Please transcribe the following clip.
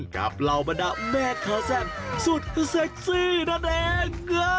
กับเราบัตาแม่ค้าแซ่บสุดเซ็กซี่นั่นเอง